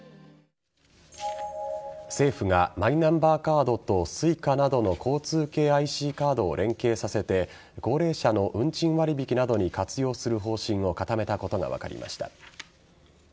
政府が、マイナンバーカードとＳｕｉｃａなどの交通系ＩＣカードを連携させて高齢者の運賃割引などに活用する方針を固めたことが分かりました。